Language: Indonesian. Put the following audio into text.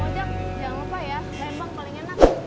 pak mojak jangan lupa ya lembang paling enak